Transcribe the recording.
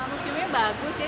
museumnya bagus ya